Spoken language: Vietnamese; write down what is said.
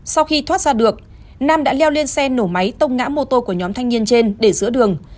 sau khi thoát ra được nam đã leo lên xe nổ máy tông ngã mô tô của nhóm thanh niên trên để giữa đường